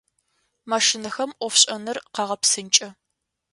Машинэхэм ӏофшӏэныр къагъэпсынкӏэ.